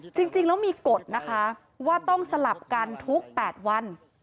จริงแล้วมีกฎนะคะว่าต้องสลับกันทุก๘วัน